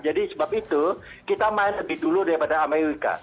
jadi sebab itu kita main lebih dulu daripada amerika